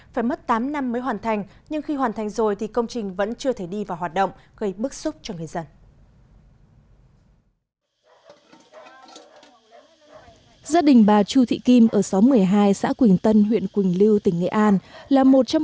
phải mất tám năm mới hoàn thành nhưng khi hoàn thành rồi thì công trình vẫn chưa thể đi vào hoạt động gây bức xúc cho người dân